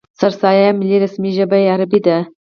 سراسري ملي رسمي ژبه یې عربي ده.